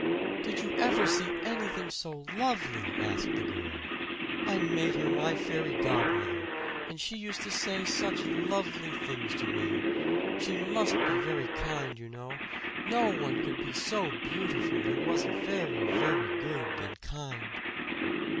"Did you ever see anything so lovely?" asked the girl. "I made her my fairy godmother. And she used to say such lovely things to me. She must be very kind, you know no one could be so beautiful who wasn't very, very good and kind."